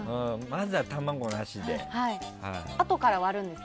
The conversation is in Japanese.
まずは卵なしで。